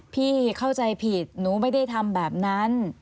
พี่เข้าใจผิดหนูไม่ได้ทำแบบนั้น